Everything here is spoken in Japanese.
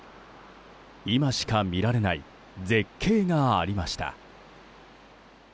今しか見られない絶景がありました。